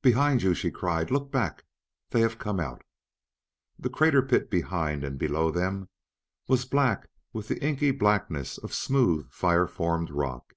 "Behind you!" she cried. "Look back! They have come out!" The crater pit behind and below them was black with the inky blackness of smooth, fire formed rock.